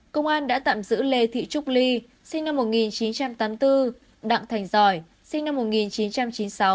công an đã tạm giữ lê thị trúc ly sinh năm một nghìn chín trăm tám mươi bốn đặng thành giỏi sinh năm một nghìn chín trăm chín mươi sáu